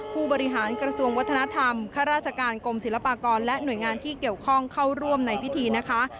ผู้บริหารกระทรวงวัฒนธรรมข้าราชการกรมศิลปากรและหน่วยงานที่เกี่ยวข้องเข้าร่วมในพิธีนะคะ